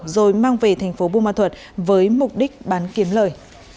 rồi mang về thành phố buôn ma thuật với mục đích bán kiếm lời